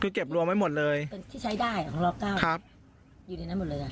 คือเก็บรวมไว้หมดเลยเป็นที่ใช้ได้ของล็อกเก้าครับอยู่ในนั้นหมดเลยอ่ะ